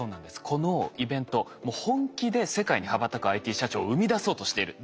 このイベントもう本気で世界に羽ばたくＩＴ社長を生み出そうとしている。